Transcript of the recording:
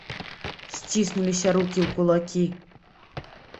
Сціснуліся рукі ў кулакі.